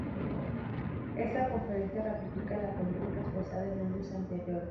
Esa conferencia ratifica la política esbozada en años anteriores.